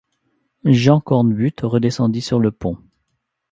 Jean Cornbutte redescendit sur le pont.